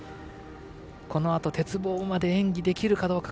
このあと鉄棒まで演技できるかどうか。